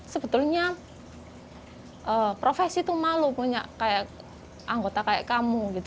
sebetulnya profesi tuh malu punya kayak anggota kayak kamu gitu